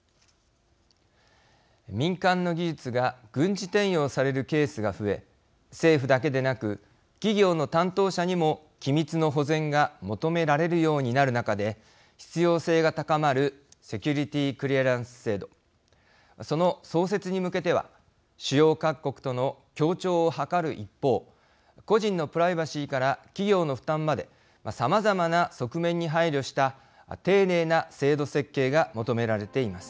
民間の技術が軍事転用されるケースが増え政府だけでなく企業の担当者にも機密の保全が求められるようになる中で必要性が高まるセキュリティークリアランス制度その創設に向けては主要各国との協調を図る一方個人のプライバシーから企業の負担までさまざまな側面に配慮した丁寧な制度設計が求められています。